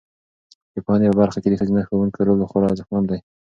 د پوهنې په برخه کې د ښځینه ښوونکو رول خورا ارزښتمن دی.